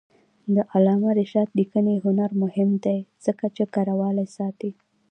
د علامه رشاد لیکنی هنر مهم دی ځکه چې کرهوالي ساتي.